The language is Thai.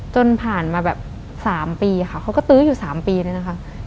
จนผ่านมาแบบ๓ปีค่ะเขาก็ตื้ออยู่๓ปีเลยนะคะ